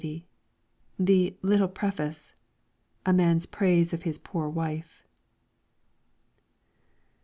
c. 680. The * Little Preface ':' A man's praise of his Poor Wife.